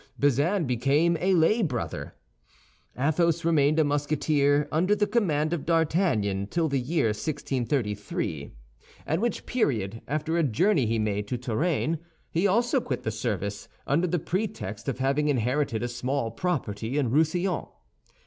Bazin became a lay brother. Athos remained a Musketeer under the command of D'Artagnan till the year 1633, at which period, after a journey he made to Touraine, he also quit the service, under the pretext of having inherited a small property in Roussillon.